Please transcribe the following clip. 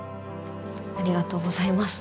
ありがとうございます。